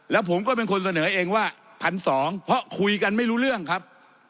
แล้วผมก็เป็นคนเสนอเองว่า๑๒๐๐เพราะคุยกันไม่รู้เรื่องครับ